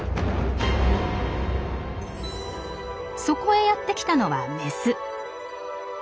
そこへやって来たのはメス。